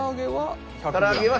唐揚げは？